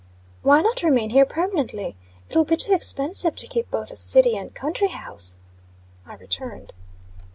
"Why not remain here permanently? It will be too expensive to keep both a city and country house," I returned.